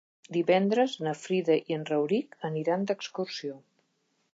Divendres na Frida i en Rauric aniran d'excursió.